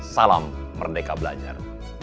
salam merdeka belajar